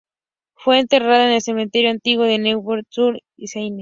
Fue enterrado en el Cementerio Antiguo de Neuilly-sur-Seine.